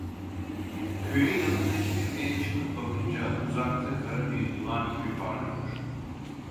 Köyün yanındaki tepeye çıkıp bakınca, uzakta kara bir yılan gibi parlıyor.